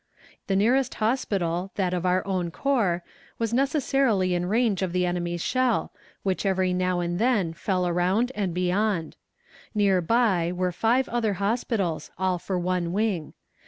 The nearest hospital, that of our own corps, was necessarily in range of the enemy's shell, which every now and then fell around and beyond. Near by were five other hospitals, all for one wing.